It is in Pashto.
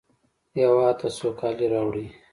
هېواد ته سوکالي راوړئ